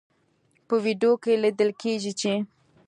په ویډیو کې لیدل کیږي چې